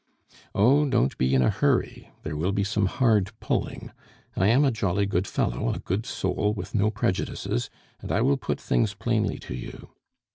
"Oh! don't be in a hurry; there will be some hard pulling. I am a jolly good fellow, a good soul with no prejudices, and I will put things plainly to you.